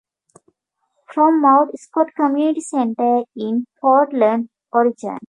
From Mount Scott Community Center in Portland, Oregon.